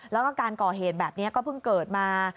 แล้วก็การก่อเหตุแบบนี้ก็เพิ่งเกิดมา